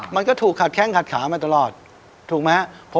มันก็ถูกขัดแข้งขัดขามาตลอดถูกไหมครับ